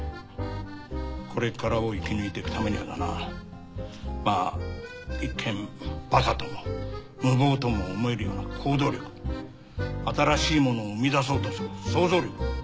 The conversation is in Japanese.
これからを生き抜いていくためにはだなまあ一見バカとも無謀とも思えるような行動力新しいものを生み出そうとする創造力。